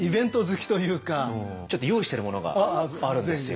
ちょっと用意してるものがあるんですよ。